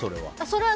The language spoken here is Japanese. それは。